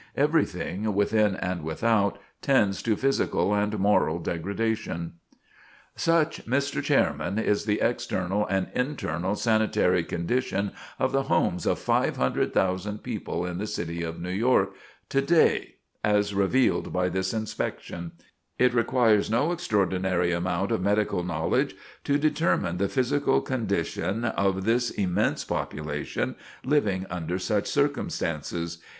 Everything, within and without, tends to physical and moral degradation." [Sidenote: Tenant House Rot] Such, Mr. Chairman, is the external and internal sanitary condition of the homes of 500,000 people in the City of New York to day, as revealed by this inspection. It requires no extraordinary amount of medical knowledge to determine the physical condition of this immense population, living under such circumstances.